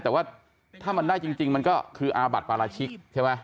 แต่ว่าถ้ามันได้จริงมันก็คืออาบัติปราชิกใช่ไหม